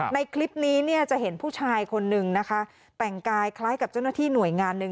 ในคลิปนี้เนี่ยจะเห็นผู้ชายคนนึงนะคะแต่งกายคล้ายกับเจ้าหน้าที่หน่วยงานหนึ่ง